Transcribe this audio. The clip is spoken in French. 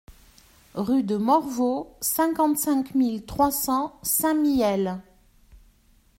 Rue de Morvaux, cinquante-cinq mille trois cents Saint-Mihiel